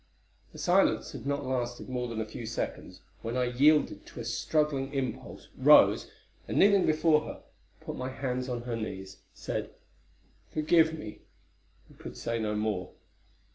The silence had not lasted more than a few seconds, when I yielded to a struggling impulse, rose, and kneeling before her, put my hands on her knees, said, "Forgive me," and could say no more.